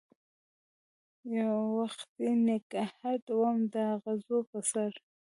یووختي نګهت وم داغزو په سر